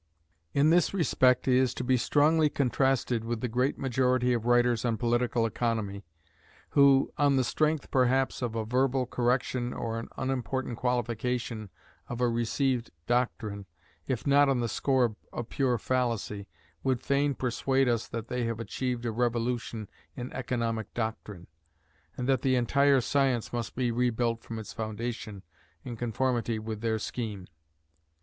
In this respect he is to be strongly contrasted with the great majority of writers on political economy, who, on the strength perhaps of a verbal correction or an unimportant qualification of a received doctrine, if not on the score of a pure fallacy, would fain persuade us that they have achieved a revolution in economic doctrine, and that the entire science must be rebuilt from its foundation in conformity with their scheme.